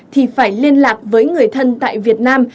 thì phải liên lạc với người thân tại việt nam